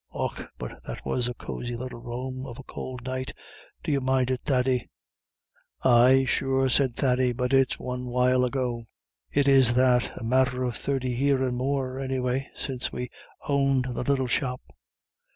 Och, but that was a cosy little room of a could night. D'you mind it, Thady?" "Ay, sure," said Thady, "but it's one while ago." "It is that. A matter of thirty year and more, anyway, since we owned the little shop.